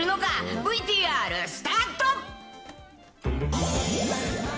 ＶＴＲスタート。